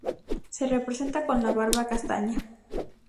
Se representa con la barba castaña.